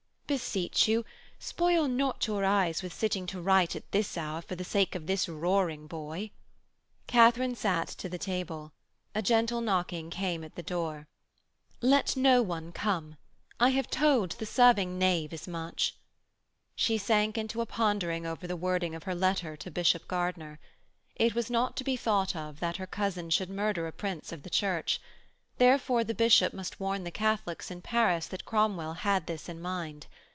'Beseech you, spoil not your eyes with sitting to write at this hour for the sake of this roaring boy.' Katharine sat to the table: a gentle knocking came at the door. 'Let no one come, I have told the serving knave as much.' She sank into a pondering over the wording of her letter to Bishop Gardiner. It was not to be thought of that her cousin should murder a Prince of the Church; therefore the bishop must warn the Catholics in Paris that Cromwell had this in mind.